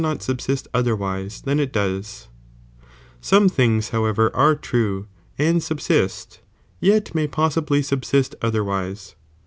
gg^not subsist otherwise than it does ; some things however are true, and subsist, yet may possibly subBisl otherwise.